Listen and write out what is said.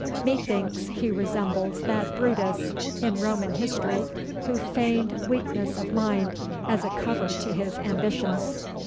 Methinks he resembles that Brutus in Roman history who feigned weakness of mind as a cover to his ambitions.